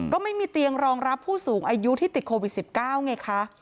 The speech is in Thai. ก็ไม่มีเตียงรองรับผู้สูงอายุที่ติดโควิด๑๙ไงคะ